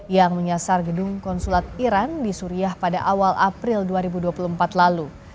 yang menyasar gedung konsulat iran di suriah pada awal april dua ribu dua puluh empat lalu